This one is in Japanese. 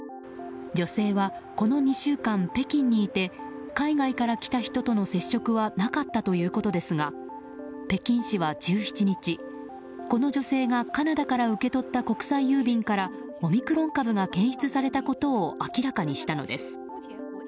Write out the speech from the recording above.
女性はこの２週間、北京にいて海外から来た人との接触はなかったということですが北京市は１７日この女性がカナダから受け取った国際郵便からオミクロン株が検出されたことを明らかにしたのです。